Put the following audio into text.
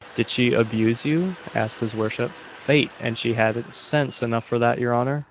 "Did she abuse you?" asked his worship. "Fait, an' she hadn't sense enough for that, your honour!"